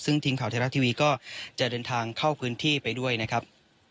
ซึ่งทีมข่าวไทยรัฐทีวีก็จะเดินทางเข้าพื้นที่ไปด้วยนะครับ